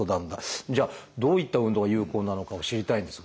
じゃあどういった運動が有効なのかを知りたいんですが。